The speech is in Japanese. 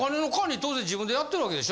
当然自分でやってる訳でしょ？